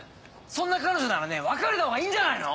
そんな彼女ならね別れた方がいいんじゃないの？